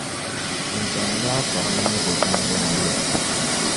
bɛ daagi a sara maligu bimbina luhi.